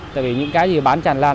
tại vì những cái gì bán chẳng làm